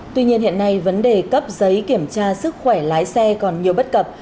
tuy nhiên hiện nay vấn đề cấp giấy kiểm tra sức khỏe lái xe còn nhiều bất cập